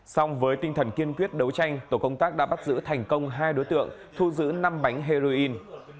xong với tinh thần kiên quyết đấu tranh tổ công tác đã bắt giữ thành công hai đối tượng thu giữ năm bánh heroin